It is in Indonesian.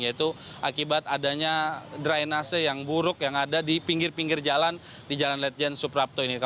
yaitu akibat adanya drainase yang buruk yang ada di pinggir pinggir jalan di jalan ledjen suprapto ini